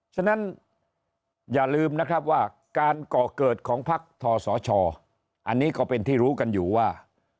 ฉะนั้นอย่าลืมนะครับว่าการก่อเกิดของพักทศชอันนี้ก็เป็นที่รู้กันอยู่ว่า